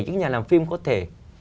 những nhà làm phim có thể